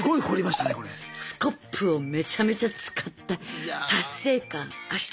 スコップをめちゃめちゃ使った達成感。